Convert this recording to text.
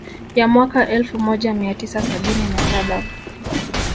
Ya mwaka elfu moja mia tisa sabini na saba